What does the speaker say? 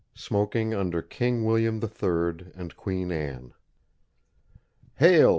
VI SMOKING UNDER KING WILLIAM III AND QUEEN ANNE Hail!